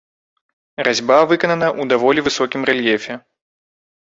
Разьба выканана ў даволі высокім рэльефе.